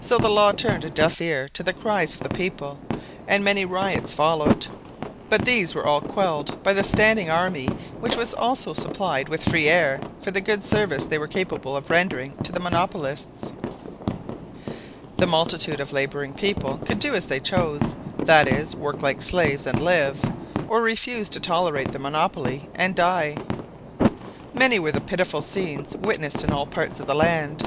So the law turned a deaf ear to the cries of the people and many riots followed. But these were all quelled by the standing army which was also supplied with free air for the good service they were capable of rendering to the monopolists. The multitude of laboring people could do as they chose, that is, work like slaves and live, or refuse to tolerate the monopoly and die. [Illustration: Monopolizing Liquid Air on Airess.] Many were the pitiful scenes witnessed in all parts of the land.